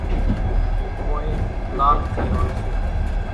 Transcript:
ڪونئين لالچي هوئيَ سي۔